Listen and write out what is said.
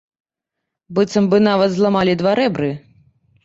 Быццам бы, нават зламалі два рэбры.